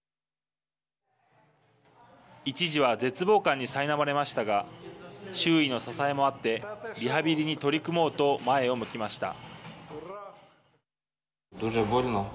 一時は絶望感にさいなまれましたが周囲の支えもあってリハビリに取り組もうと前を向きました。